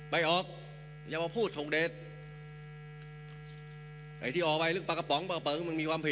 ไม่ออกอย่ามาพูดทรงเดชไอ้ที่ออกไปเรื่องปลากระป๋องปลาเป๋องมันมีความผิด